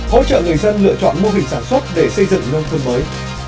hỗ trợ người dân lựa chọn mô hình sản xuất để xây dựng hương thương mới